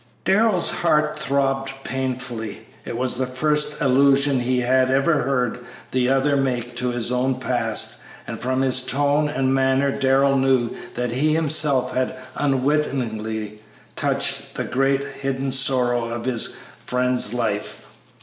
Darrell's heart throbbed painfully; it was the first allusion he had ever heard the other make to his own past, and from his tone and manner Darrell knew that he himself had unwittingly touched the great, hidden sorrow in his friend's life.